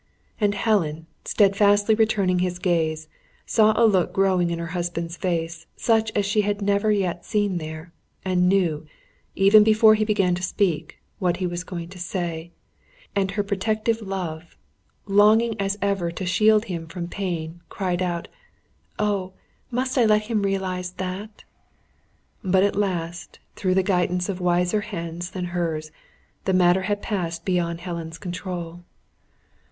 And Helen, steadfastly returning his gaze, saw a look growing in her husband's face, such as she had never yet seen there, and knew, even before he began to speak, what he was going to say; and her protective love, longing as ever to shield him from pain, cried out: "Oh, must I let him realise that?" But, at last, through the guidance of wiser Hands than hers, the matter had passed beyond Helen's control.